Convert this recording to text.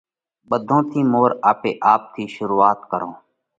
ٻڌون ٿِي مور آپي آپ ٿِي شرُوعات ڪرون